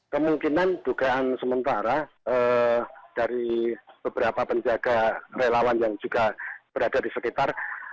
kemungkinan dugaan sementara dari beberapa penjaga relawan yang juga berada di sekitar